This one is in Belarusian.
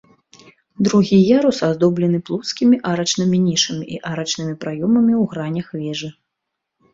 Другі ярус аздоблены плоскімі арачнымі нішамі і арачнымі праёмамі ў гранях вежы.